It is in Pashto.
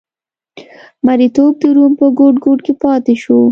مریتوب د روم په ګوټ ګوټ کې پاتې شو.